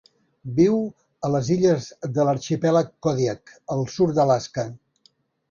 Viu a les illes de l'Arxipèlag Kodiak al sud d'Alaska.